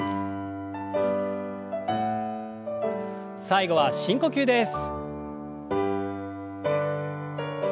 最後は深呼吸です。